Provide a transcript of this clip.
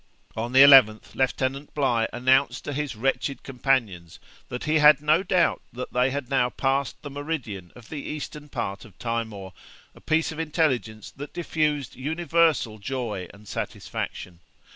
On the 11th Lieutenant Bligh announced to his wretched companions that he had no doubt they had now passed the meridian of the eastern part of Timor, a piece of intelligence that diffused universal joy and satisfaction.